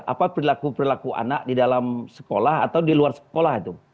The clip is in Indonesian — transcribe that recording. apa perilaku perilaku anak di dalam sekolah atau di luar sekolah itu